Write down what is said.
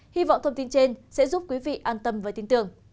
hy vọng thông tin trên sẽ giúp quý vị an tâm và tin tưởng